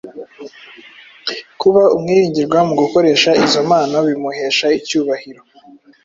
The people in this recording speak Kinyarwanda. kuba umwirigirwa mu gukoresha izo mpano bimuhesha icyubahiro.